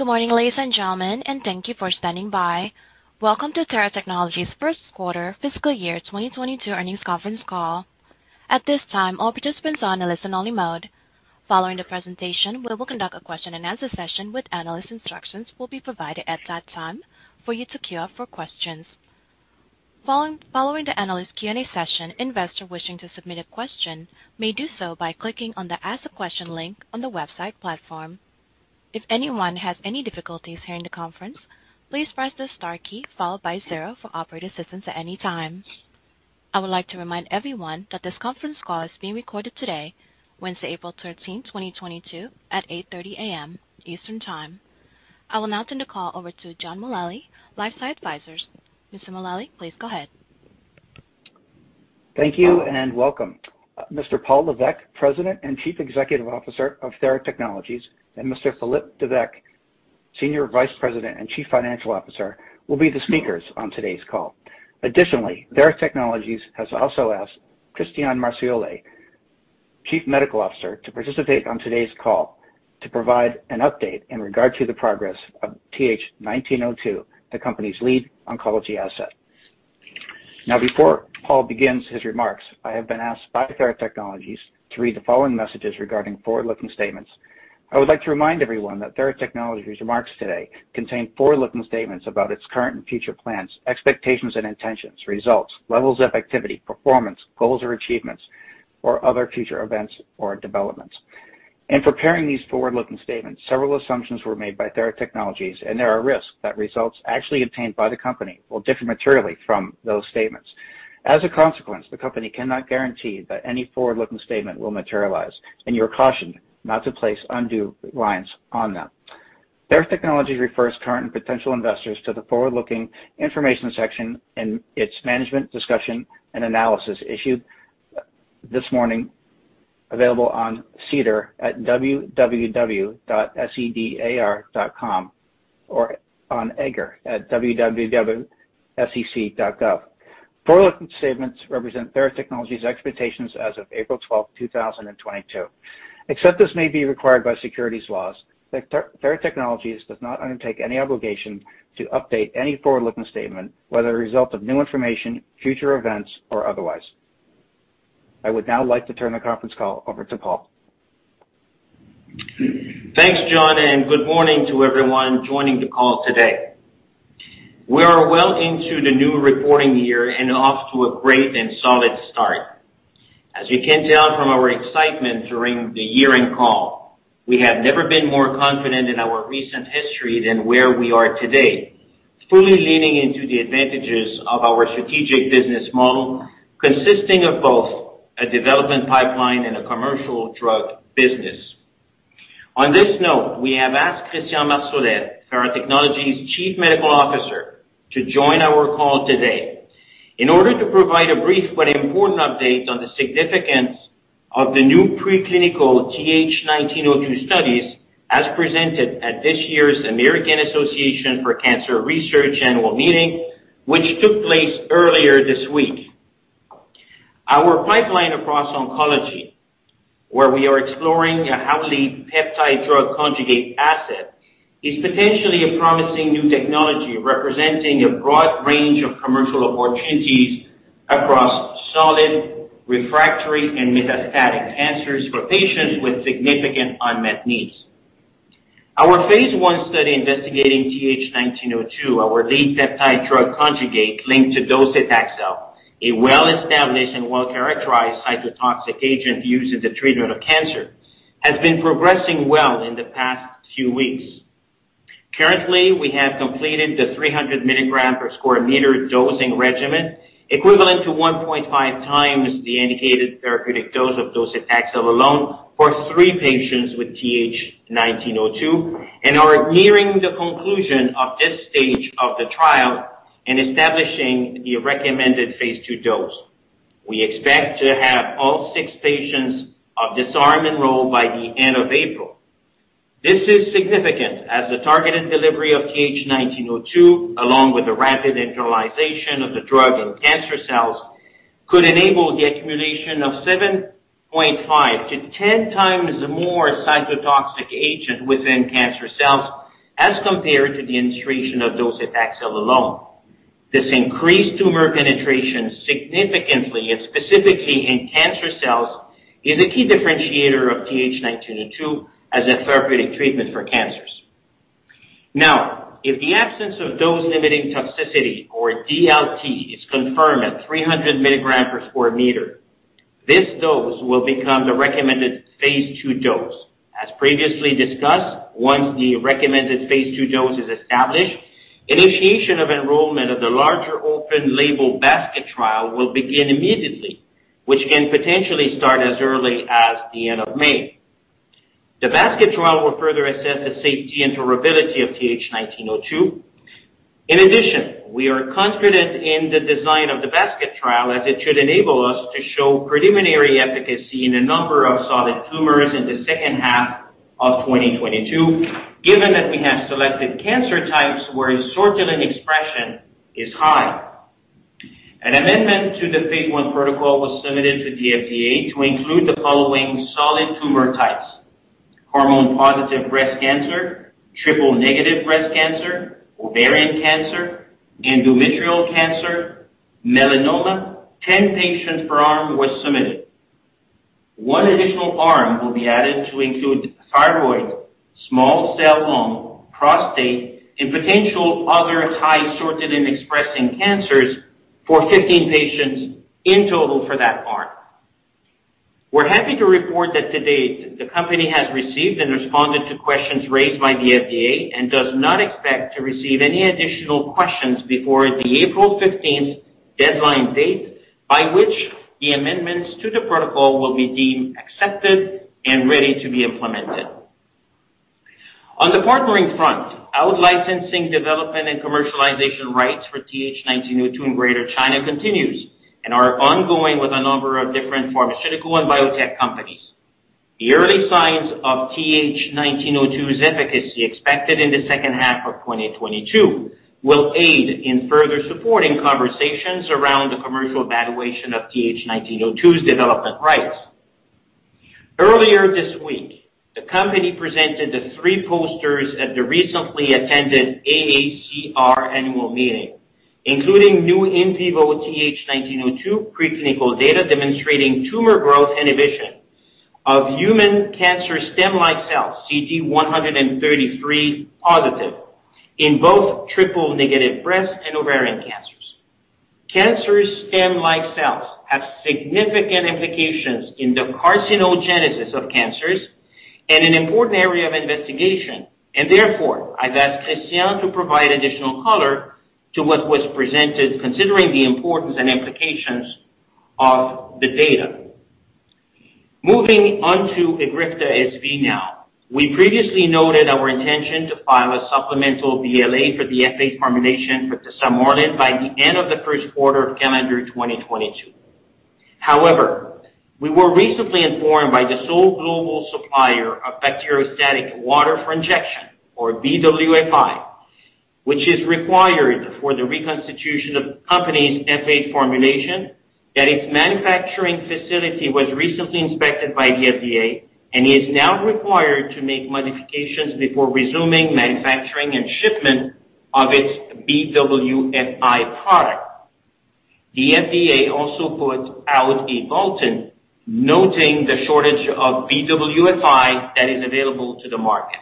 Good morning, ladies and gentlemen, and thank you for standing by. Welcome to Theratechnologies. Q1 fiscal year 2022 earnings conference call. At this time, all participants are in a listen-only mode. Following the presentation, we will conduct a question-and-answer session with analysts. Instructions will be provided at that time for you to queue up for questions. Following the analyst Q&A session, investor wishing to submit a question may do so by clicking on the Ask A Question link on the website platform. If anyone has any difficulties hearing the conference, please press the star key followed by zero for operator assistance at any time. I would like to remind everyone that this conference call is being recorded today, Wednesday, April 13, 2022 at 8:30 A.M. Eastern Time. I will now turn the call over to John Mullaly, LifeSci Advisors. Mr.Mullaly, please go ahead. Thank you and welcome. Mr. Paul Lévesque, President and Chief Executive Officer of Theratechnologies, and Mr. Philippe Dubuc, Senior Vice President and Chief Financial Officer, will be the speakers on today's call. Additionally, Theratechnologies has also asked Christian Marsolais, Chief Medical Officer, to participate on today's call to provide an update in regard to the progress of TH1902, the company's lead oncology asset. Now, before Paul begins his remarks, I have been asked by Theratechnologies to read the following messages regarding forward-looking statements. I would like to remind everyone that Theratechnologies remarks today contain forward-looking statements about its current and future plans, expectations and intentions, results, levels of activity, performance, goals or achievements, or other future events or developments. In preparing these forward-looking statements, several assumptions were made by Theratechnologies, and there are risks that results actually obtained by the company will differ materially from those statements. As a consequence, the company cannot guarantee that any forward-looking statement will materialize, and you are cautioned not to place undue reliance on them. Theratechnologies refers current and potential investors to the forward-looking information section in its management discussion and analysis issued this morning available on SEDAR at www.sedar.com or on EDGAR at www.sec.gov. Forward-looking statements represent Theratechnologies expectations as of April 12, 2022. Except as may be required by securities laws, Theratechnologies does not undertake any obligation to update any forward-looking statement, whether a result of new information, future events or otherwise. I would now like to turn the conference call over to Paul. Thanks, John, and good morning to everyone joining the call today. We are well into the new reporting year and off to a great and solid start. As you can tell from our excitement during the year-end call, we have never been more confident in our recent history than where we are today, fully leaning into the advantages of our strategic business model, consisting of both a development pipeline and a commercial drug business. On this note, we have asked Christian Marsolais, Theratechnologies Chief Medical Officer, to join our call today in order to provide a brief but important update on the significance of the new preclinical TH1902 studies, as presented at this year's American Association for Cancer Research annual meeting, which took place earlier this week. Our pipeline across oncology, where we are exploring a highly peptide-drug conjugate asset, is potentially a promising new technology representing a broad range of commercial opportunities across solid, refractory and metastatic cancers for patients with significant unmet needs. Our phase I study investigating TH1902, our lead peptide-drug conjugate linked to docetaxel, a well-established and well-characterized cytotoxic agent used in the treatment of cancer, has been progressing well in the past few weeks. Currently, we have completed the 300 mg per sq m dosing regimen, equivalent to 1.5 times the indicated therapeutic dose of docetaxel alone for three patients with TH1902 and are nearing the conclusion of this stage of the trial in establishing the recommended phase II dose. We expect to have all six patients of DISARM enroll by the end of April. This is significant as the targeted delivery of TH1902, along with the rapid internalization of the drug in cancer cells, could enable the accumulation of 7.5 times-10 times more cytotoxic agent within cancer cells as compared to the administration of docetaxel alone. This increased tumor penetration significantly and specifically in cancer cells is a key differentiator of TH1902 as a therapeutic treatment for cancers. Now, if the absence of dose-limiting toxicity or DLT is confirmed at 300 mg per sq m, this dose will become the recommended phase II dose. As previously discussed, once the recommended phase II dose is established, initiation of enrollment of the larger open label basket trial will begin immediately, which can potentially start as early as the end of May. The basket trial will further assess the safety and durability of TH1902. In addition, we are confident in the design of the basket trial as it should enable us to show preliminary efficacy in a number of solid tumors in the H2 of 2022. Given that we have selected cancer types where sortilin expression is high. An amendment to the phase I protocol was submitted to the FDA to include the following solid tumor types, hormone-positive breast cancer, triple-negative breast cancer, ovarian cancer, endometrial cancer, melanoma. 10 patients per arm was submitted. One additional arm will be added to include thyroid, small cell lung, prostate, and potential other high sortilin-expressing cancers for 15 patients in total for that arm. We're happy to report that to date, the company has received and responded to questions raised by the FDA and does not expect to receive any additional questions before the April fifteenth deadline date by which the amendments to the protocol will be deemed accepted and ready to be implemented. On the partnering front, out-licensing development and commercialization rights for TH1902 in Greater China continues, and are ongoing with a number of different pharmaceutical and biotech companies. The early signs of TH1902's efficacy expected in the H2 of 2022 will aid in further supporting conversations around the commercial valuation of TH1902's development rights. Earlier this week, the company presented the three posters at the recently attended AACR annual meeting, including new in vivo TH1902 preclinical data demonstrating tumor growth inhibition of human cancer stem-like cells, CD133-positive in both triple negative breast and ovarian cancers. Cancer stem-like cells have significant implications in the carcinogenesis of cancers and an important area of investigation. Therefore, I've asked Christian to provide additional color to what was presented, considering the importance and implications of the data. Moving on to EGRIFTA SV now. We previously noted our intention to file a supplemental BLA for the F8 formulation for tesamorelin by the end of the Q1 of calendar 2022. However, we were recently informed by the sole global supplier of Bacteriostatic Water for Injection, or BWFI, which is required for the reconstitution of the company's F8 formulation, that its manufacturing facility was recently inspected by the FDA and is now required to make modifications before resuming manufacturing and shipment of its BWFI product. The FDA also put out a bulletin noting the shortage of BWFI that is available to the market.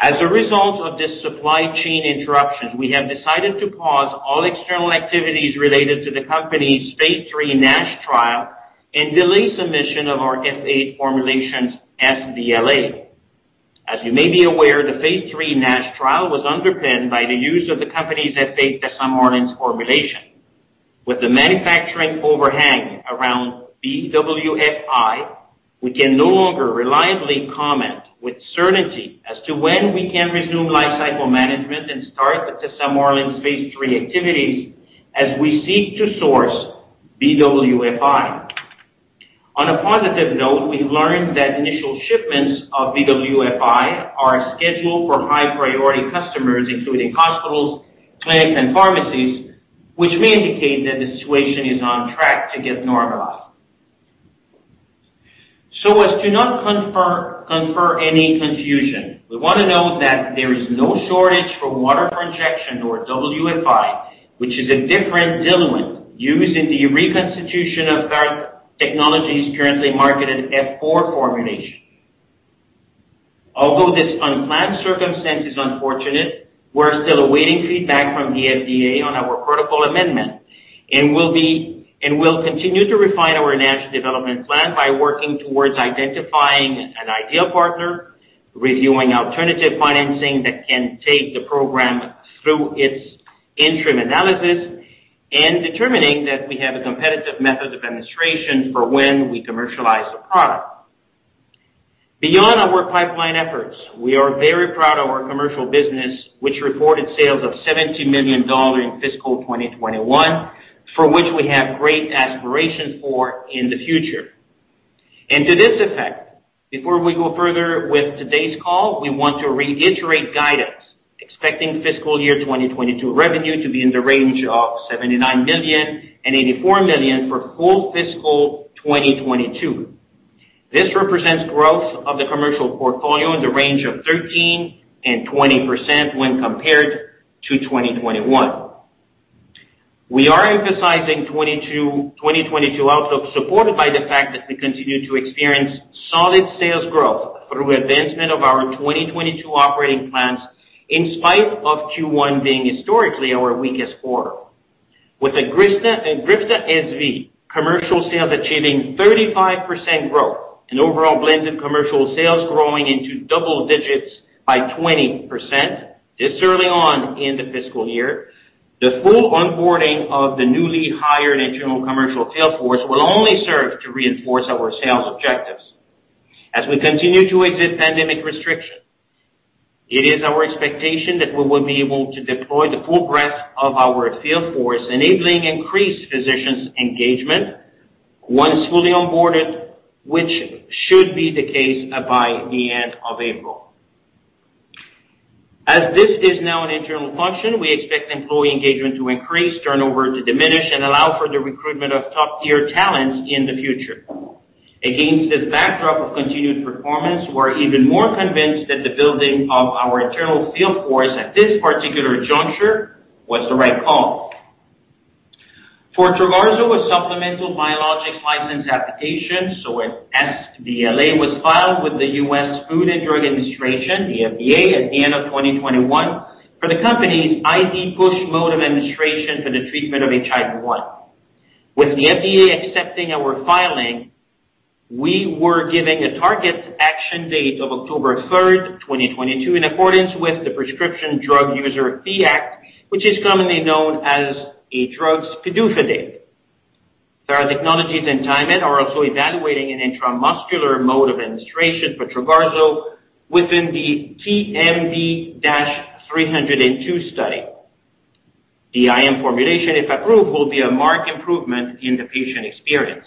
As a result of this supply chain interruption, we have decided to pause all external activities related to the company's phase III NASH trial and delay submission of our F8 formulation's sBLA. As you may be aware, the phase III NASH trial was underpinned by the use of the company's F8 tesamorelin formulation. With the manufacturing overhang around BWFI, we can no longer reliably comment with certainty as to when we can resume lifecycle management and start the tesamorelin phase III activities as we seek to source BWFI. On a positive note, we've learned that initial shipments of BWFI are scheduled for high-priority customers, including hospitals, clinics, and pharmacies, which may indicate that the situation is on track to get normalized. As to not confer any confusion, we wanna note that there is no shortage for Water for Injection or WFI, which is a different diluent used in the reconstitution of Theratechnologies currently marketed F4 formulation. Although this unplanned circumstance is unfortunate, we're still awaiting feedback from the FDA on our protocol amendment, and will continue to refine our NASH development plan by working towards identifying an ideal partner, reviewing alternative financing that can take the program through its interim analysis, and determining that we have a competitive method of administration for when we commercialize the product. Beyond our pipeline efforts, we are very proud of our commercial business, which reported sales of $70 million in fiscal 2021, for which we have great aspiration for in the future. To this effect, before we go further with today's call, we want to reiterate guidance, expecting fiscal year 2022 revenue to be in the range of $79 million-$84 million for full fiscal 2022. This represents growth of the commercial portfolio in the range of 13%-20% when compared to 2021. We are emphasizing 2022 outlook, supported by the fact that we continue to experience solid sales growth through advancement of our 2022 operating plans, in spite of Q1 being historically our weakest quarter. With the EGRIFTA SV commercial sales achieving 35% growth and overall blended commercial sales growing into double digits by 20% this early on in the fiscal year, the full onboarding of the newly hired internal commercial sales force will only serve to reinforce our sales objectives. As we continue to exit pandemic restrictions, it is our expectation that we will be able to deploy the full breadth of our field force, enabling increased physicians' engagement once fully onboarded, which should be the case by the end of April. As this is now an internal function, we expect employee engagement to increase, turnover to diminish, and allow for the recruitment of top-tier talents in the future. Against this backdrop of continued performance, we're even more convinced that the building of our internal field force at this particular juncture was the right call. For Trogarzo, a supplemental biologics license application, so an sBLA, was filed with the US Food and Drug Administration, the FDA, at the end of 2021 for the company's IV push mode of administration for the treatment of HIV-1. With the FDA accepting our filing, we were given a target action date of October 3, 2022, in accordance with the Prescription Drug User Fee Act, which is commonly known as a drug's PDUFA date. Theratechnologies and TaiMed are also evaluating an intramuscular mode of administration for Trogarzo within the TMB-302 study. The IM formulation, if approved, will be a marked improvement in the patient experience.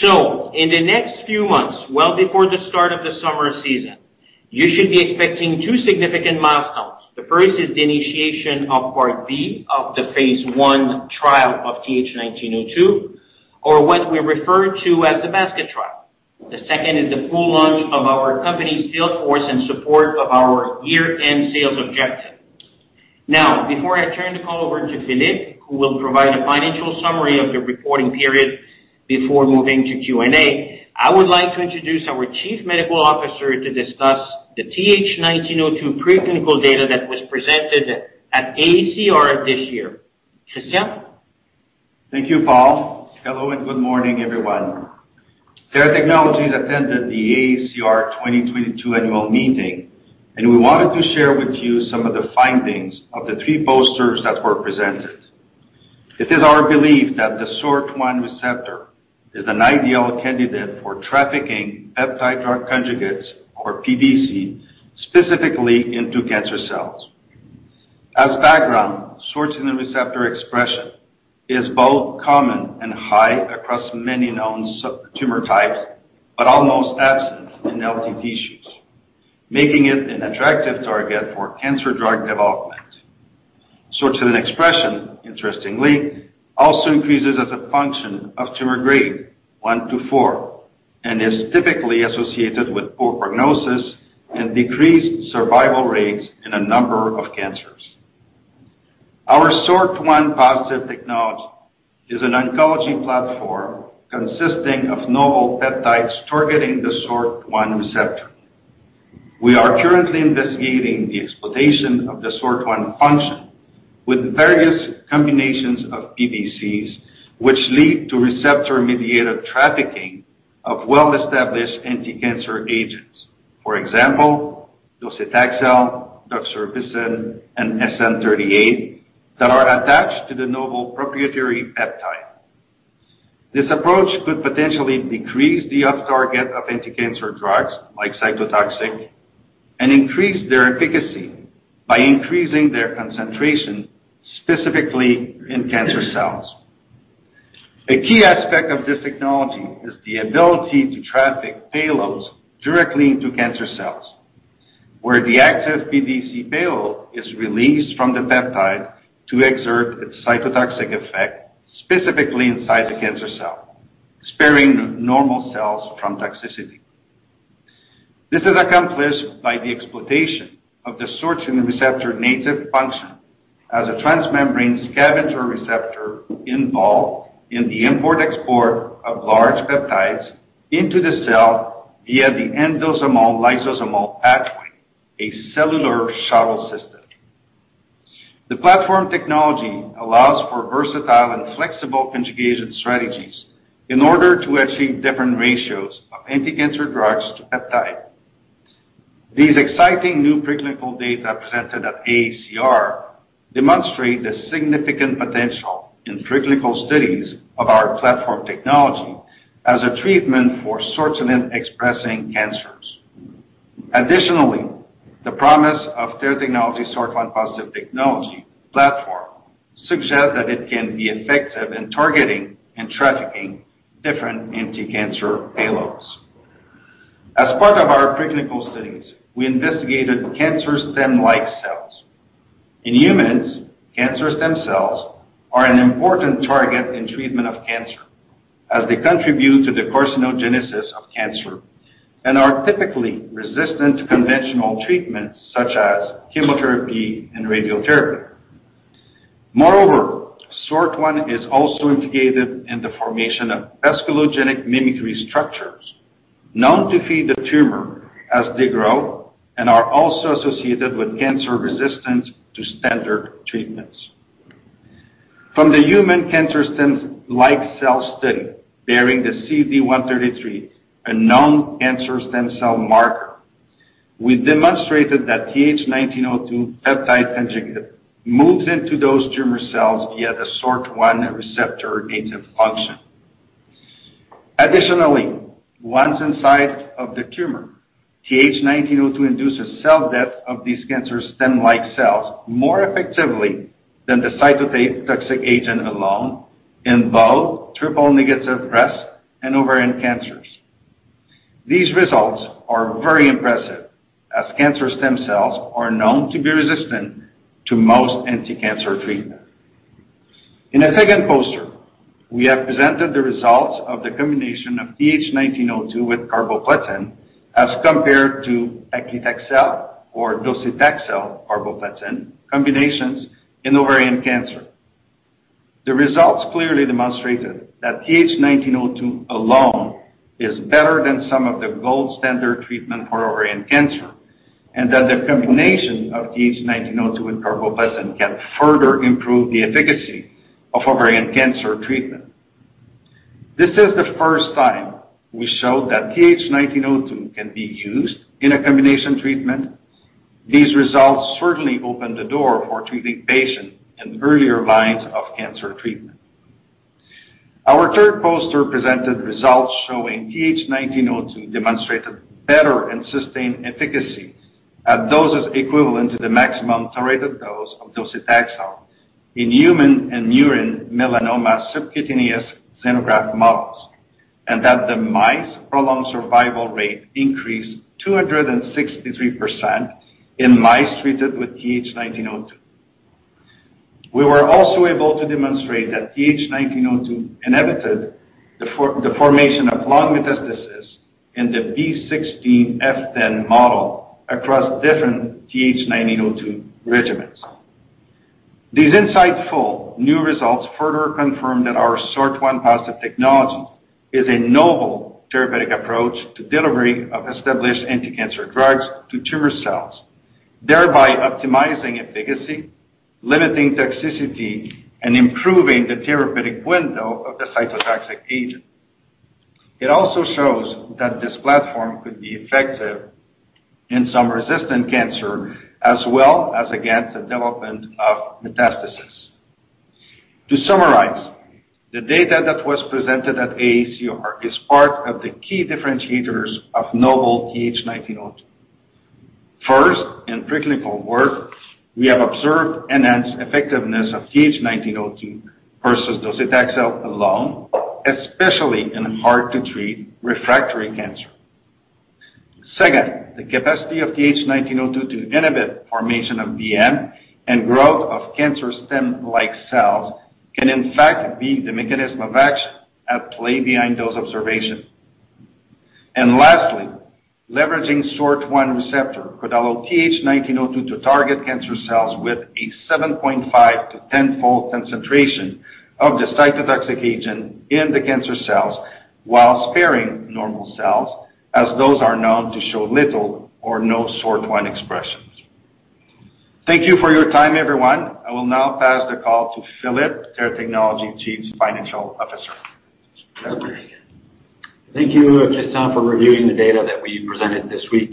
In the next few months, well before the start of the summer season, you should be expecting 2 significant milestones. The first is the initiation of part B of the phase I trial of TH1902, or what we refer to as the Basket Trial. The second is the full launch of our company's sales force in support of our year-end sales objective. Now, before I turn the call over to Philippe, who will provide a financial summary of the reporting period before moving to Q&A, I would like to introduce our Chief Medical Officer to discuss the TH1902 preclinical data that was presented at AACR this year. Christian? Thank you, Paul. Hello, and good morning, everyone. Theratechnologies attended the AACR 2022 annual meeting, and we wanted to share with you some of the findings of the three posters that were presented. It is our belief that the SORT1 receptor is an ideal candidate for trafficking peptide-drug conjugates or PDC, specifically into cancer cells. As background, sortilin receptor expression is both common and high across many known tumor types, but almost absent in healthy tissues, making it an attractive target for cancer drug development. Sortilin expression, interestingly, also increases as a function of tumor grade 1-4 and is typically associated with poor prognosis and decreased survival rates in a number of cancers. Our SORT1-positive technology is an oncology platform consisting of novel peptides targeting the SORT1 receptor. We are currently investigating the exploitation of the SORT1 function with various combinations of PDCs, which lead to receptor-mediated trafficking of well-established anticancer agents. For example, docetaxel, doxorubicin, and SN-38 that are attached to the novel proprietary peptide. This approach could potentially decrease the off-target of anticancer drugs, like cytotoxic, and increase their efficacy by increasing their concentration, specifically in cancer cells. A key aspect of this technology is the ability to traffic payloads directly into cancer cells, where the active PDC payload is released from the peptide to exert its cytotoxic effect, specifically inside the cancer cell, sparing normal cells from toxicity. This is accomplished by the exploitation of the sortilin receptor native function as a transmembrane scavenger receptor involved in the import/export of large peptides into the cell via the endosomal-lysosomal pathway, a cellular shuttle system. The platform technology allows for versatile and flexible conjugation strategies in order to achieve different ratios of anticancer drugs to peptide. These exciting new preclinical data presented at AACR demonstrate the significant potential in preclinical studies of our platform technology as a treatment for sortilin-expressing cancers. Additionally, the promise of Theratechnologies' SORT1-positive technology platform suggests that it can be effective in targeting and trafficking different anticancer payloads. As part of our preclinical studies, we investigated cancer stem-like cells. In humans, cancer stem cells are an important target in treatment of cancer, as they contribute to the carcinogenesis of cancer and are typically resistant to conventional treatments such as chemotherapy and radiotherapy. Moreover, SORT1 is also implicated in the formation of vasculogenic mimicry structures known to feed the tumor as they grow and are also associated with cancer resistance to standard treatments. From the human cancer stem-like cell study bearing the CD133, a known cancer stem cell marker, we demonstrated that TH1902 peptide conjugate moves into those tumor cells via the SORT1 receptor native function. Additionally, once inside of the tumor, TH1902 induces cell death of these cancer stem-like cells more effectively than the cytotoxic agent alone in both triple-negative breast and ovarian cancers. These results are very impressive as cancer stem cells are known to be resistant to most anti-cancer treatment. In a second poster, we have presented the results of the combination of TH1902 with carboplatin as compared to Taxotere or docetaxel carboplatin combinations in ovarian cancer. The results clearly demonstrated that TH1902 alone is better than some of the gold standard treatment for ovarian cancer, and that the combination of TH1902 with carboplatin can further improve the efficacy of ovarian cancer treatment. This is the first time we showed that TH1902 can be used in a combination treatment. These results certainly open the door for treating patients in earlier lines of cancer treatment. Our third poster presented results showing TH1902 demonstrated better and sustained efficacy at doses equivalent to the maximum tolerated dose of docetaxel in human and murine melanoma subcutaneous xenograft models, and that the mice prolonged survival rate increased 263% in mice treated with TH1902. We were also able to demonstrate that TH1902 inhibited the formation of lung metastasis in the B16F10 model across different TH1902 regimens. These insightful new results further confirm that our SORT1-positive technology is a novel therapeutic approach to delivery of established anti-cancer drugs to tumor cells, thereby optimizing efficacy, limiting toxicity and improving the therapeutic window of the cytotoxic agent. It also shows that this platform could be effective in some resistant cancer as well as against the development of metastasis. To summarize, the data that was presented at AACR is part of the key differentiators of novel TH1902. First, in preclinical work, we have observed enhanced effectiveness of TH1902 versus docetaxel alone, especially in hard to treat refractory cancer. Second, the capacity of TH1902 to inhibit formation of VM and growth of cancer stem-like cells can in fact be the mechanism of action at play behind those observations. Lastly, leveraging SORT1 receptor could allow TH1902 to target cancer cells with a 7.5- to 10-fold concentration of the cytotoxic agent in the cancer cells while sparing normal cells, as those are known to show little or no SORT1 expression. Thank you for your time, everyone. I will now pass the call to Philippe, Theratechnologies Chief Financial Officer. Thank you, Christian, for reviewing the data that we presented this week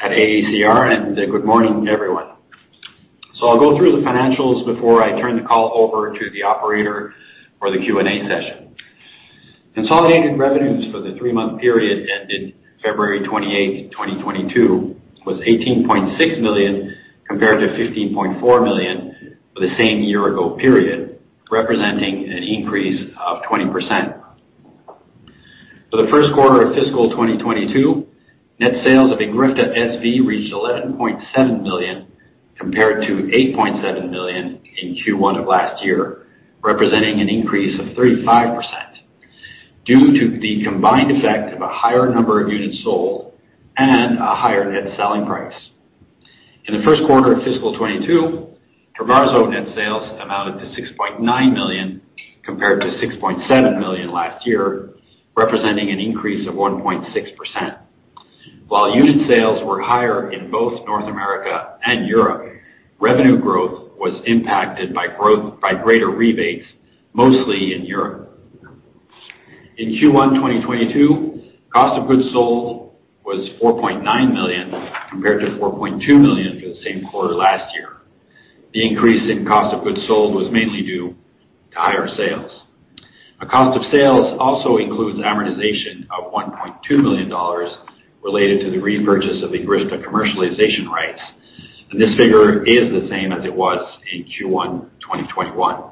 at AACR. Good morning, everyone. I'll go through the financials before I turn the call over to the operator for the Q&A session. Consolidated revenues for the three-month period ended February 28, 2022 was $18.6 million, compared to $15.4 million for the same year ago period, representing an increase of 20%. For the Q1 of fiscal 2022, net sales of EGRIFTA SV reached $11.7 million, compared to $8.7 million in Q1 of last year, representing an increase of 35%, due to the combined effect of a higher number of units sold and a higher net selling price. In the Q1 of fiscal 2022, Trogarzo net sales amounted to $6.9 million, compared to $6.7 million last year, representing an increase of 1.6%. While unit sales were higher in both North America and Europe, revenue growth was impacted by greater rebates, mostly in Europe. In Q1 2022, cost of goods sold was $4.9 million, compared to $4.2 million for the same quarter last year. The increase in cost of goods sold was mainly due to higher sales. The cost of sales also includes amortization of $1.2 million related to the repurchase of EGRIFTA commercialization rights, and this figure is the same as it was in Q1 2021.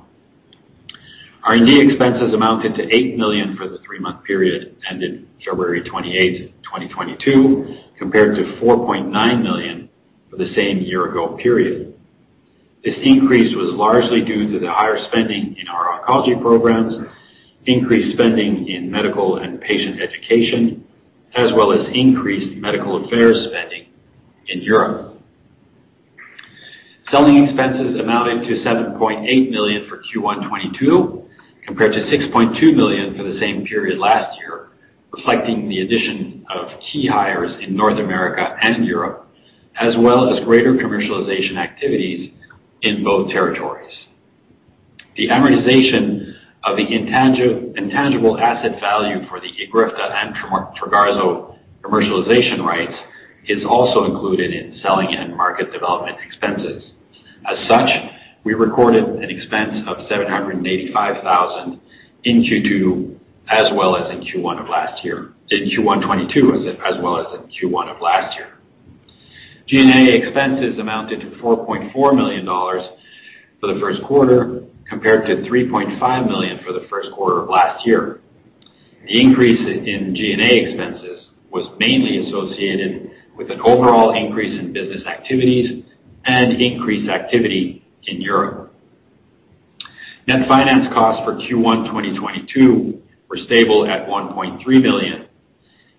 R&D expenses amounted to $8 million for the three-month period ended February 28, 2022, compared to $4.9 million for the same year ago period. This increase was largely due to the higher spending in our oncology programs, increased spending in medical and patient education, as well as increased medical affairs spending in Europe. Selling expenses amounted to $7.8 million for Q1 2022, compared to $6.2 million for the same period last year, reflecting the addition of key hires in North America and Europe as well as greater commercialization activities in both territories. The amortization of the intangible asset value for the EGRIFTA and Trogarzo commercialization rights is also included in selling and market development expenses. As such, we recorded an expense of $785,000 in Q2 as well as in Q1 of last year. In Q1 2022 as well as in Q1 of last year, G&A expenses amounted to $4.4 million for the Q1 compared to $3.5 million for the Q1 of last year. The increase in G&A expenses was mainly associated with an overall increase in business activities and increased activity in Europe. Net finance costs for Q1 2022 were stable at $1.3 million.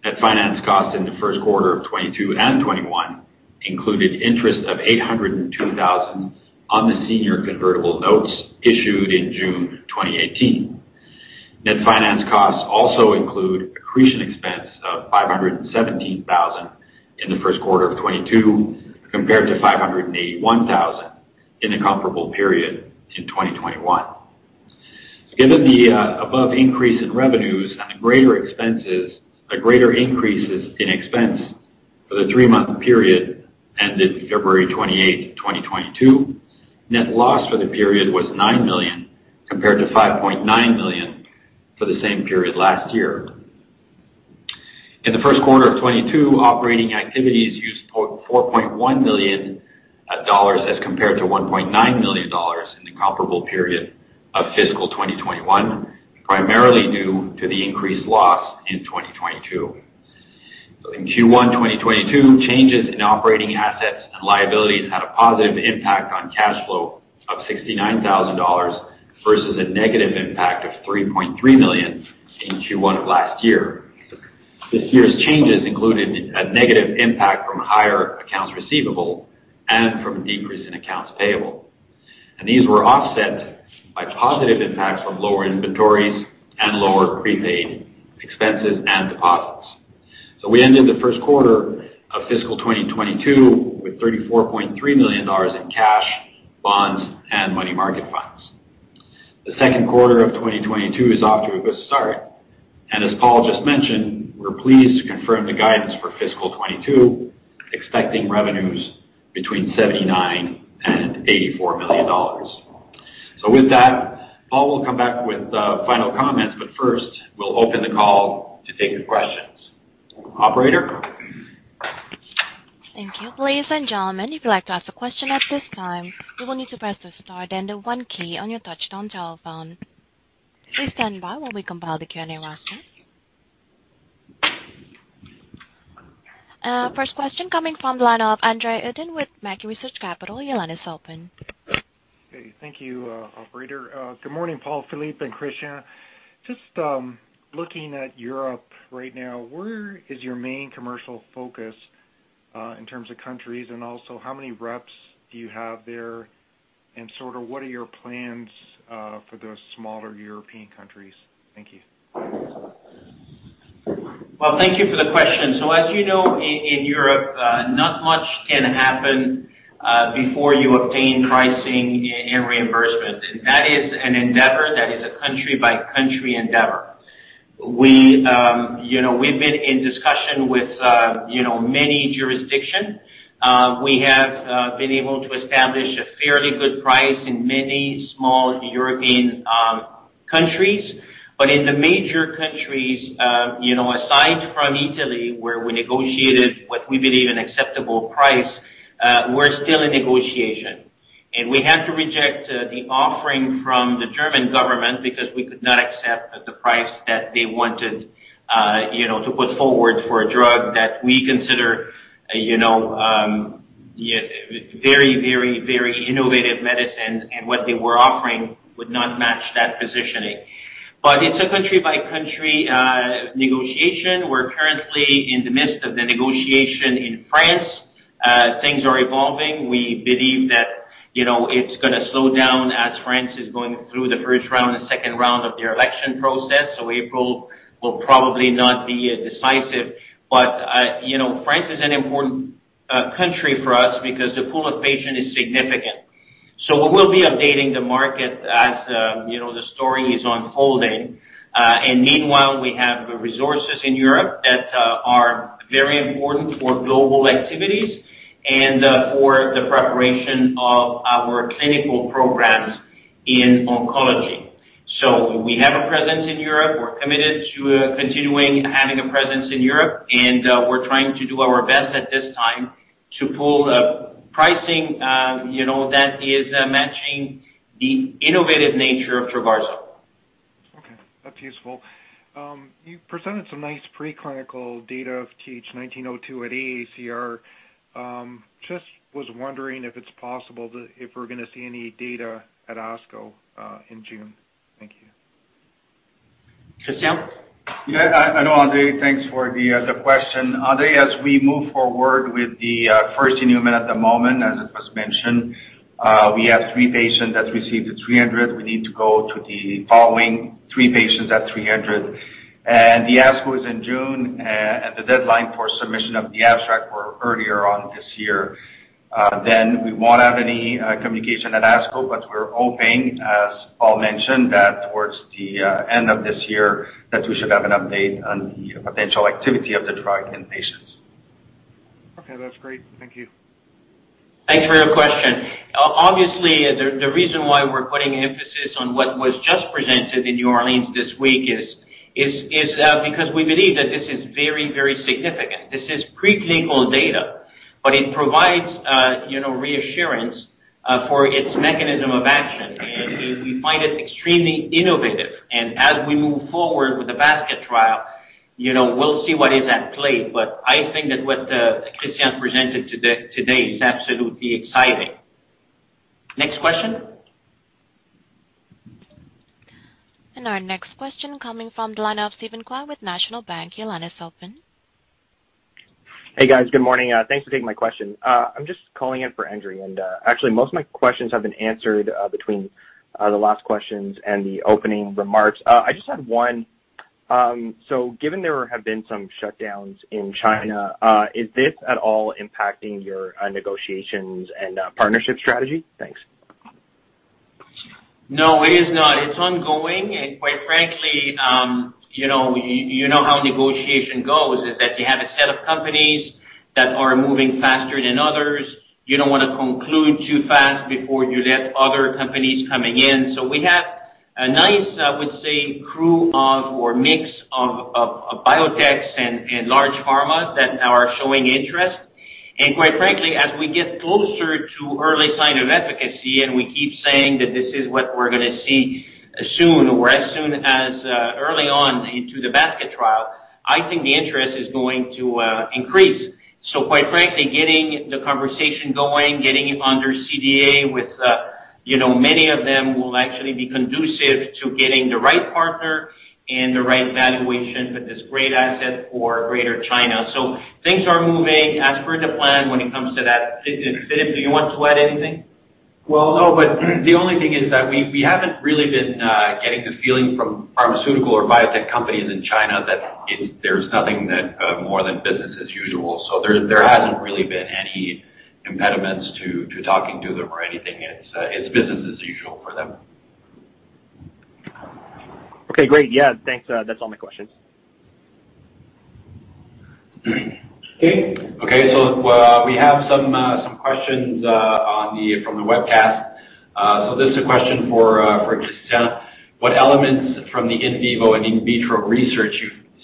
Net finance costs in the Q1 of 2022 and 2021 included interest of $802,000 on the senior convertible notes issued in June 2018. Net finance costs also include accretion expense of $517,000 in the Q1 of 2022 compared to $581,000 in the comparable period in 2021. Given the above increase in revenues and the greater increases in expense for the three-month period ended February 28, 2022, net loss for the period was $9 million, compared to $5.9 million for the same period last year. In the Q1 of 2022, operating activities used $4.1 million as compared to $1.9 million in the comparable period of fiscal 2021, primarily due to the increased loss in 2022. In Q1 2022, changes in operating assets and liabilities had a positive impact on cash flow of $69,000 versus a negative impact of $3.3 million in Q1 of last year. This year's changes included a negative impact from higher accounts receivable and from a decrease in accounts payable. These were offset by positive impacts from lower inventories and lower prepaid expenses and deposits. We ended the Q1 of fiscal 2022 with $34.3 million in cash, bonds, and money market funds. The Q2 of 2022 is off to a good start, and as Paul just mentioned, we're pleased to confirm the guidance for fiscal 2022, expecting revenues between $79 million and $84 million. With that, Paul will come back with final comments, but first, we'll open the call to take your questions. Operator? Thank you. Ladies and gentlemen, if you'd like to ask a question at this time, you will need to press the star then the one key on your touchtone telephone. Please stand by while we compile the Q&A roster. First question coming from the line of André Uddin with Mackie Research Capital. Your line is open. Okay, thank you, operator. Good morning, Paul, Philippe, and Christian. Just looking at Europe right now, where is your main commercial focus in terms of countries? And also, how many reps do you have there? And sort of what are your plans for those smaller European countries? Thank you. Well, thank you for the question. As you know, in Europe, not much can happen before you obtain pricing and reimbursement. That is an endeavor that is a country-by-country endeavor. We, you know, we've been in discussion with, you know, many jurisdictions. We have been able to establish a fairly good price in many small European countries. In the major countries, you know, aside from Italy, where we negotiated what we believe an acceptable price, we're still in negotiation. We had to reject the offering from the German government because we could not accept the price that they wanted, you know, to put forward for a drug that we consider, you know, very innovative medicine, and what they were offering would not match that positioning. It's a country-by-country negotiation. We're currently in the midst of the negotiation in France. Things are evolving. We believe that, you know, it's gonna slow down as France is going through the first round and second round of their election process. April will probably not be decisive. You know, France is an important country for us because the pool of patients is significant. We'll be updating the market as, you know, the story is unfolding. Meanwhile, we have resources in Europe that are very important for global activities and for the preparation of our clinical programs in oncology. We have a presence in Europe. We're committed to continuing having a presence in Europe, and we're trying to do our best at this time to pull a pricing, you know, that is matching the innovative nature of Trogarzo. Okay, that's useful. You presented some nice preclinical data of TH1902 at AACR. Just was wondering if it's possible that if we're gonna see any data at ASCO in June. Thank you. Christian? Hello, André Uddin. Thanks for the question. André Uddin, as we move forward with the first enrollment at the moment, as it was mentioned, we have 3 patients that received the 300. We need to go to the following 3 patients at 300. The ASCO is in June. The deadline for submission of the abstract were earlier on this year. We won't have any communication at ASCO, but we're hoping, as Paul mentioned, that towards the end of this year, that we should have an update on the potential activity of the drug in patients. Okay. That's great. Thank you. Thanks for your question. Obviously, the reason why we're putting emphasis on what was just presented in New Orleans this week is because we believe that this is very, very significant. This is preclinical data, but it provides you know, reassurance for its mechanism of action, and we find it extremely innovative. As we move forward with the basket trial, you know, we'll see what is at play. I think that what Christian presented today is absolutely exciting. Next question. Our next question coming from the line of Stephen Kwok with National Bank. Your line is open. Hey, guys. Good morning. Thanks for taking my question. I'm just calling in for André, and actually, most of my questions have been answered between the last questions and the opening remarks. I just had one. Given there have been some shutdowns in China, is this at all impacting your negotiations and partnership strategy? Thanks. No, it is not. It's ongoing. Quite frankly, you know how negotiation goes, is that you have a set of companies that are moving faster than others. You don't wanna conclude too fast before you let other companies coming in. We have a nice, I would say, mix of biotechs and large pharma that are showing interest. Quite frankly, as we get closer to early sign of efficacy, and we keep saying that this is what we're gonna see soon, or as soon as early on into the basket trial, I think the interest is going to increase. Quite frankly, getting the conversation going, getting it under CDA with, you know, many of them will actually be conducive to getting the right partner and the right valuation for this great asset for Greater China. Things are moving as per the plan when it comes to that. Philippe, do you want to add anything? Well, no, but the only thing is that we haven't really been getting the feeling from pharmaceutical or biotech companies in China that there's nothing more than business as usual. There hasn't really been any impediments to talking to them or anything. It's business as usual for them. Okay, great. Yeah, thanks. That's all my questions. Okay. Okay. We have some questions from the webcast. This is a question for Christian. What elements from the in vivo and in vitro research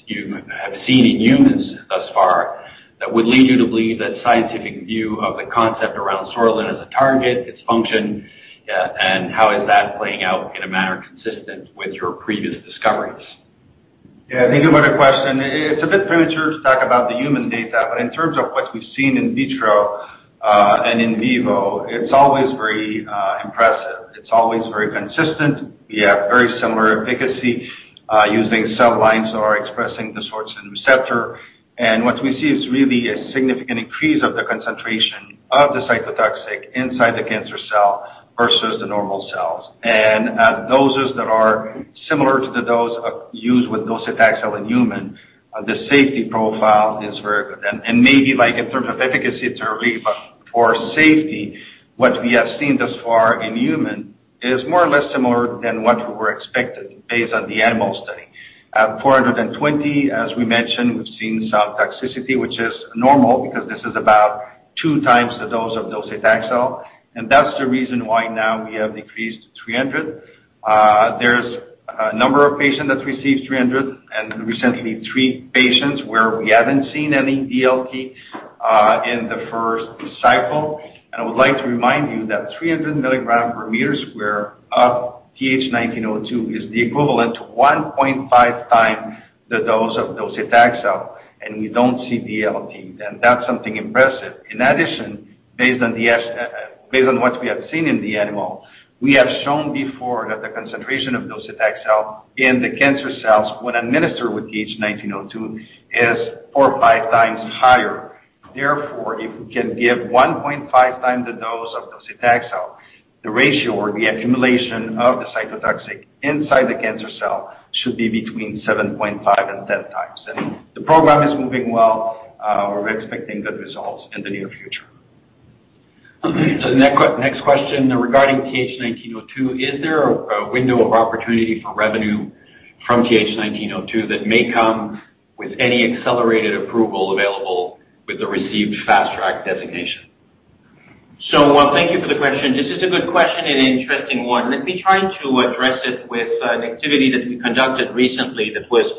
you have seen in humans thus far that would lead you to believe that scientific view of the concept around sortilin as a target, its function, and how is that playing out in a manner consistent with your previous discoveries? Yeah, thank you for the question. It's a bit premature to talk about the human data, but in terms of what we've seen in vitro and in vivo, it's always very impressive. It's always very consistent. We have very similar efficacy using cell lines that are expressing the sortilin receptor. What we see is really a significant increase of the concentration of the cytotoxic inside the cancer cell versus the normal cells. At doses that are similar to the dose used with docetaxel in human, the safety profile is very good. Maybe like in terms of efficacy, it's early, but for safety, what we have seen thus far in human is more or less similar than what we were expecting based on the animal study. At 420, as we mentioned, we've seen some toxicity, which is normal because this is about 2 times the dose of docetaxel, and that's the reason why now we have decreased to 300. There's a number of patients that's received 300 and recently 3 patients where we haven't seen any DLT in the first cycle. I would like to remind you that 300 mg per square meter of TH1902 is the equivalent to 1.5 times the dose of docetaxel, and we don't see DLT. That's something impressive. In addition, based on what we have seen in the animal, we have shown before that the concentration of docetaxel in the cancer cells when administered with TH1902 is 4 or 5 times higher. Therefore, if we can give 1.5 times the dose of docetaxel, the ratio or the accumulation of the cytotoxic inside the cancer cell should be between 7.5 times and 10 times. The program is moving well. We're expecting good results in the near future. Next question regarding TH1902. Is there a window of opportunity for revenue from TH1902 that may come with any accelerated approval available with the received Fast Track designation? Thank you for the question. This is a good question and an interesting one. Let me try to address it with an activity that we conducted recently that was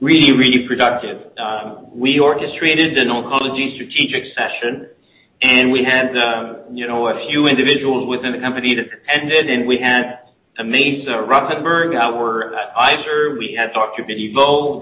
really, really productive. We orchestrated an oncology strategic session, and we had you know a few individuals within the company that attended, and we had Mace Rothenberg, our advisor. We had Dr. [Vincent Rotello]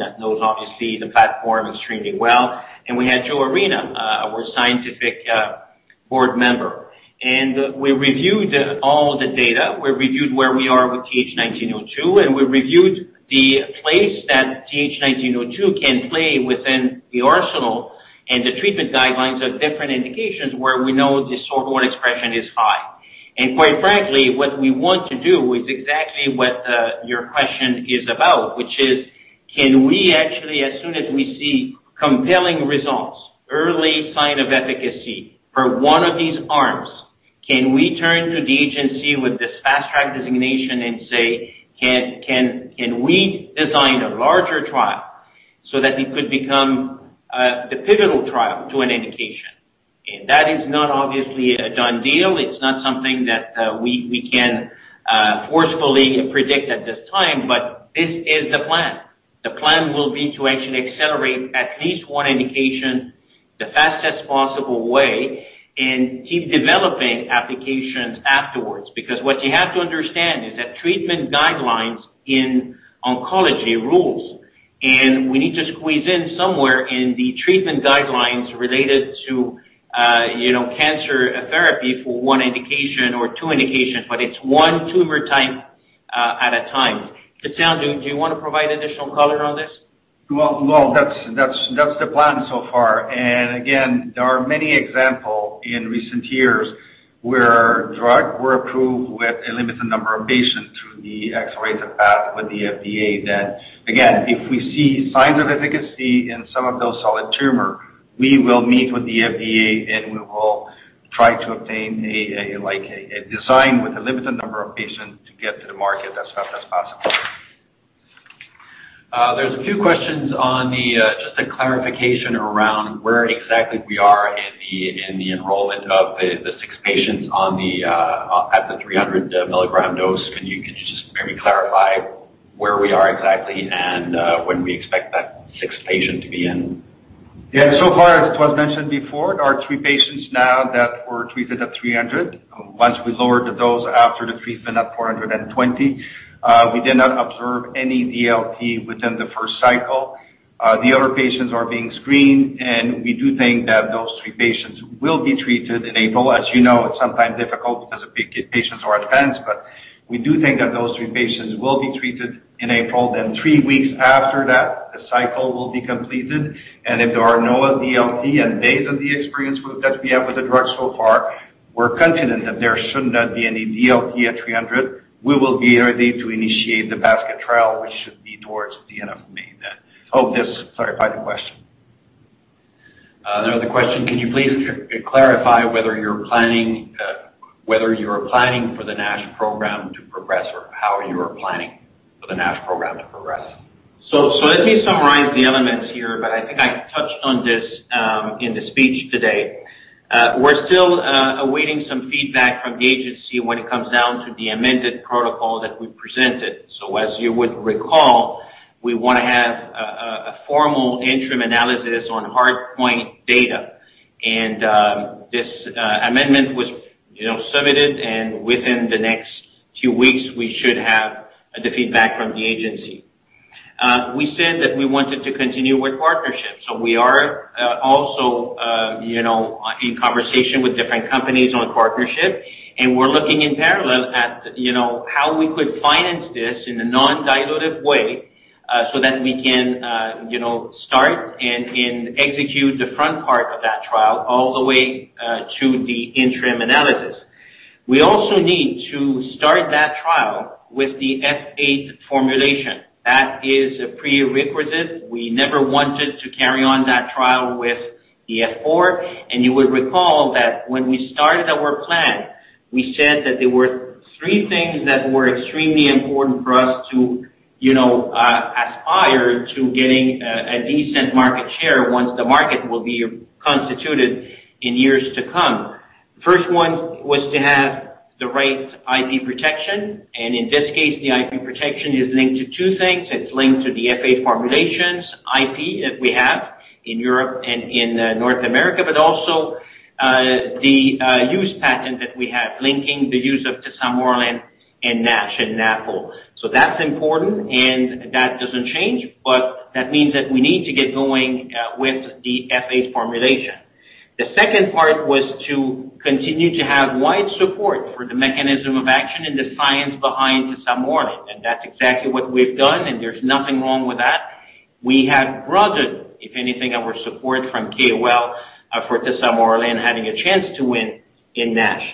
Quite frankly, what we want to do is exactly what your question is about, which is, can we actually, as soon as we see compelling results, early sign of efficacy for one of these arms, can we turn to the agency with this Fast Track designation and say, "Can we design a larger trial?" So that it could become the pivotal trial to an indication. That is not obviously a done deal. It's not something that we can forcefully predict at this time, but this is the plan. The plan will be to actually accelerate at least one indication the fastest possible way and keep developing applications afterwards. Because what you have to understand is that treatment guidelines in oncology rules, and we need to squeeze in somewhere in the treatment guidelines related to, you know, cancer therapy for one indication or two indications, but it's one tumor type, at a time. Christian, do you wanna provide additional color on this? Well, that's the plan so far. Again, there are many examples in recent years where drugs were approved with a limited number of patients through the accelerated path with the FDA. Again, if we see signs of efficacy in some of those solid tumors, we will meet with the FDA, and we will try to obtain a design with a limited number of patients to get to the market as fast as possible. There's a few questions on just a clarification around where exactly we are in the enrollment of the six patients at the 300 mg dose. Can you just maybe clarify where we are exactly and when we expect that sixth patient to be in? Yeah. So far, as it was mentioned before, there are 3 patients now that were treated at 300. Once we lowered the dose after the treatment at 420, we did not observe any DLT within the first cycle. The other patients are being screened, and we do think that those 3 patients will be treated in April. As you know, it's sometimes difficult because the patients are advanced, but we do think that those 3 patients will be treated in April. 3 weeks after that, the cycle will be completed, and if there are no DLT and based on the experience with that we have with the drug so far, we're confident that there should not be any DLT at 300. We will be ready to initiate the basket trial, which should be towards the end of May. Oh, yes. Sorry. Final question. Another question. Can you please clarify whether you are planning for the NASH program to progress or how you are planning for the NASH program to progress? Let me summarize the elements here, but I think I touched on this in the speech today. We're still awaiting some feedback from the agency when it comes down to the amended protocol that we presented. As you would recall, we wanna have a formal interim analysis on endpoint data. This amendment was, you know, submitted, and within the next few weeks, we should have the feedback from the agency. We said that we wanted to continue with partnerships, so we are also, you know, in conversation with different companies on partnership. We're looking in parallel at, you know, how we could finance this in a non-dilutive way, so that we can, you know, start and execute the front part of that trial all the way to the interim analysis. We also need to start that trial with the F8 formulation. That is a prerequisite. We never wanted to carry on that trial with the F4. You would recall that when we started our plan, we said that there were three things that were extremely important for us to, you know, aspire to getting a decent market share once the market will be constituted in years to come. First one was to have the right IP protection, and in this case, the IP protection is linked to two things. It's linked to the F8 formulation's IP that we have in Europe and in North America, but also, the use patent that we have linking the use of tesamorelin in NASH and NAFL. That's important, and that doesn't change, but that means that we need to get going with the F8 formulation. The second part was to continue to have wide support for the mechanism of action and the science behind tesamorelin, and that's exactly what we've done, and there's nothing wrong with that. We have broadened, if anything, our support from KOL for tesamorelin having a chance to win in NASH.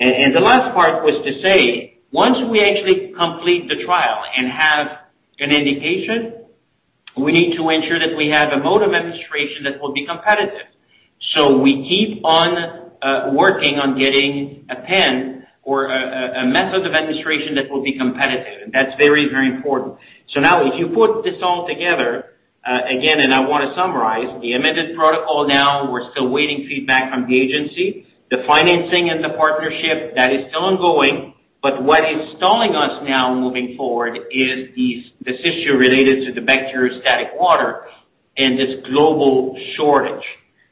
The last part was to say, once we actually complete the trial and have an indication, we need to ensure that we have a mode of administration that will be competitive. We keep on working on getting a pen or a method of administration that will be competitive, and that's very, very important. Now if you put this all together, again, and I wanna summarize, the amended protocol. Now, we're still waiting feedback from the agency. The financing and the partnership, that is still ongoing, but what is stalling us now moving forward is this issue related to the Bacteriostatic Water and this global shortage.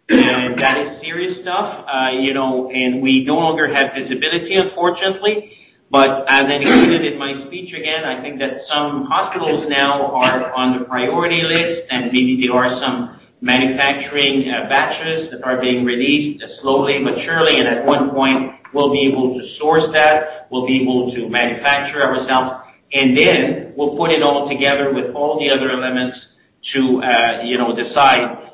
That is serious stuff, you know, and we no longer have visibility, unfortunately. As I included in my speech, again, I think that some hospitals now are on the priority list, and maybe there are some manufacturing batches that are being released slowly but surely. At one point, we'll be able to source that. We'll be able to manufacture ourselves. We'll put it all together with all the other elements to, you know, decide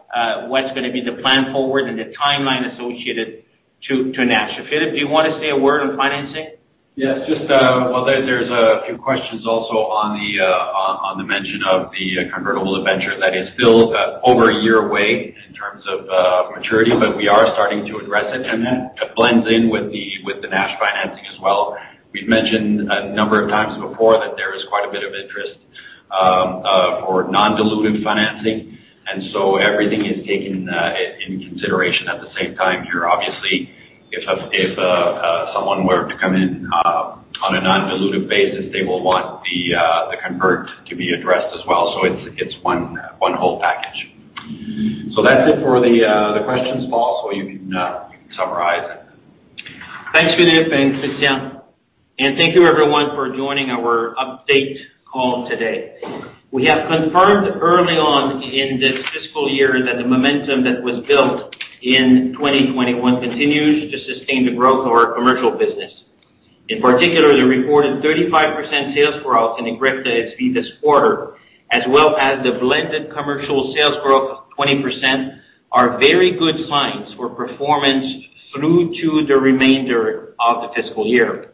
what's gonna be the plan forward and the timeline associated to NASH. Philippe, do you wanna say a word on financing? Yes. Just, well, there's a few questions also on the mention of the convertible debenture that is still over a year away in terms of maturity, but we are starting to address it, and that blends in with the NASH financing as well. We've mentioned a number of times before that there is quite a bit of interest for non-dilutive financing, and so everything is taken in consideration at the same time here. Obviously, if someone were to come in on a non-dilutive basis, they will want the convertible to be addressed as well. It's one whole package. That's it for the questions, Paul, so you can summarize it. Thanks, Philippe and Christian. Thank you everyone for joining our update call today. We have confirmed early on in this fiscal year that the momentum that was built in 2021 continues to sustain the growth of our commercial business. In particular, the reported 35% sales growth in EGRIFTA this quarter, as well as the blended commercial sales growth of 20% are very good signs for performance through to the remainder of the fiscal year.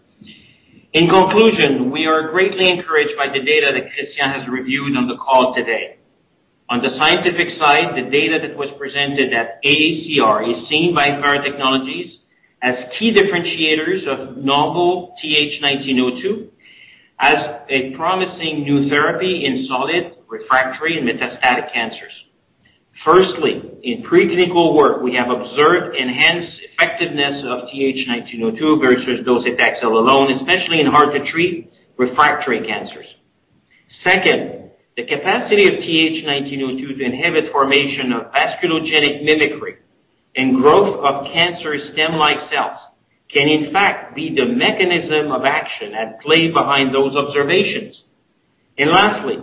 In conclusion, we are greatly encouraged by the data that Christian has reviewed on the call today. On the scientific side, the data that was presented at AACR is seen by Theratechnologies as key differentiators of novel TH1902 as a promising new therapy in solid, refractory, and metastatic cancers. Firstly, in preclinical work, we have observed enhanced effectiveness of TH1902 versus docetaxel alone, especially in hard-to-treat refractory cancers. Second, the capacity of TH1902 to inhibit formation of vasculogenic mimicry and growth of cancer stem-like cells can in fact be the mechanism of action at play behind those observations. Lastly,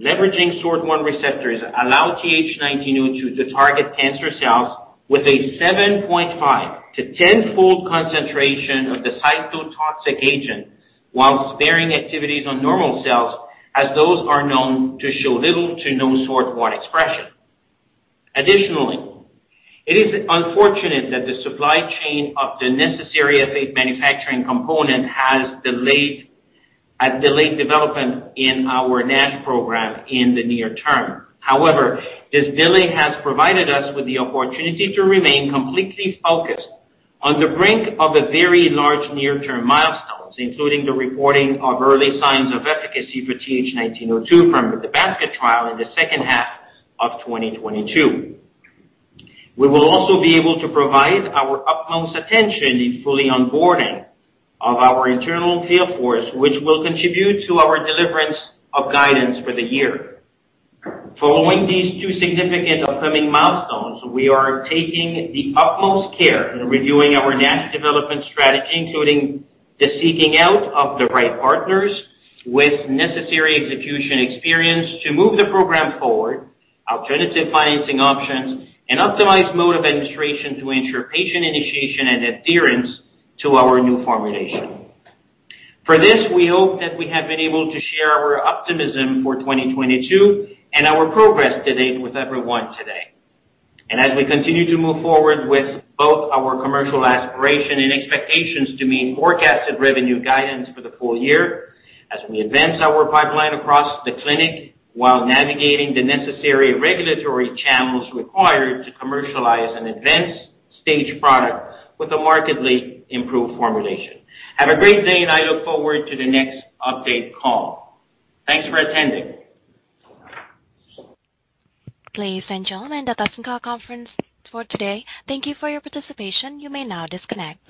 leveraging SORT1 receptors allow TH1902 to target cancer cells with a 7.5-fold to 10-fold concentration of the cytotoxic agent while sparing activities on normal cells, as those are known to show little to no SORT1 expression. Additionally, it is unfortunate that the supply chain of the necessary F8 manufacturing component has delayed development in our NASH program in the near term. However, this delay has provided us with the opportunity to remain completely focused on the brink of a very large near-term milestones, including the reporting of early signs of efficacy for TH1902 from the Basket trial in the H2 of 2022. We will also be able to provide our utmost attention in fully onboarding of our internal sales force, which will contribute to our deliverance of guidance for the year. Following these two significant upcoming milestones, we are taking the utmost care in reviewing our NASH development strategy, including the seeking out of the right partners with necessary execution experience to move the program forward, alternative financing options, and optimized mode of administration to ensure patient initiation and adherence to our new formulation. For this, we hope that we have been able to share our optimism for 2022 and our progress to date with everyone today. As we continue to move forward with both our commercial aspiration and expectations to meet forecasted revenue guidance for the full year, as we advance our pipeline across the clinic while navigating the necessary regulatory channels required to commercialize an advanced stage product with a markedly improved formulation. Have a great day, and I look forward to the next update call. Thanks for attending. Ladies and gentlemen, that ends our conference for today. Thank you for your participation. You may now disconnect.